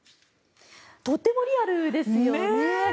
とてもリアルですよね。